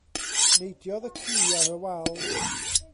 Neidiodd y ci ar y wal.